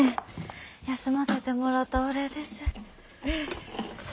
休ませてもろうたお礼です。